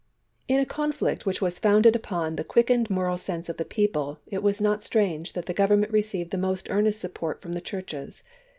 TN a conflict which was founded upon the quick JL ened moral sense of the people it was not strange that the Government received the most earnest support from the Churches.